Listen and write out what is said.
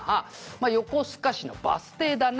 まあ横須賀市のバス停だな」